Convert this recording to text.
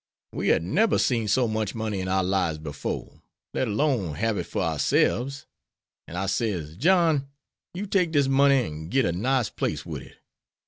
We had neber seen so much money in our lives befo', let alone hab it fer ourselbs. An' I sez, 'John, you take dis money an' git a nice place wid it.'